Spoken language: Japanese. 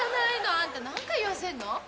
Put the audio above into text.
あんた何回言わせんの？